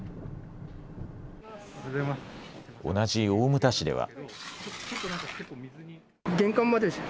同じ大牟田市では。